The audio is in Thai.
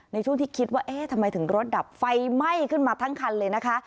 ในช่วงที่คิดว่าเอ๊ะทำไมถึงรถดับไฟไหม้ขึ้นมาทั้งคันเลยนะคะ